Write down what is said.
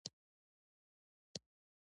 افغانستان د هندوکش پلوه ځانګړتیاوې لري.